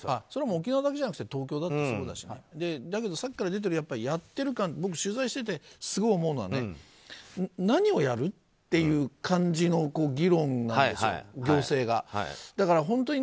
それは沖縄だけじゃなくて東京だってそうだしだけど、さっきから出てるやってる感、僕は取材していてすごく思うのは何をやる？っていう感じの議論なんです、行政が。